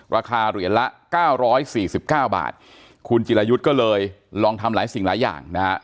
ราคาเหรียญละเก้าร้อยสี่สิบเก้าบาทคุณจิรยุทธ์ก็เลยลองทำหลายสิ่งหลายอย่างนะฮะ